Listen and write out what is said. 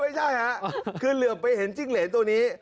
ไม่ใช่ฮะคือเหลือไปเห็นจิ้งเหรนตัวนี้